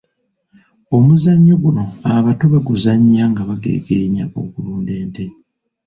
Omuzannyo guno abato baguzannya nga bageegeenya okulunda ente.